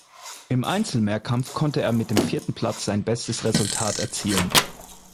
Im Einzelmehrkampf konnte er mit dem vierten Platz sein bestes Resultat erzielen.